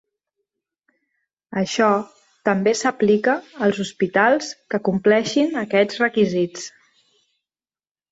Això també s'aplica als hospitals que compleixin aquests requisits.